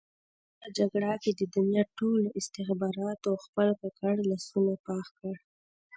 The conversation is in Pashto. په دغه جګړه کې د دنیا ټولو استخباراتو خپل ککړ لاسونه پاک کړل.